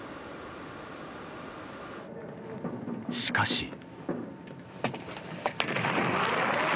しかし。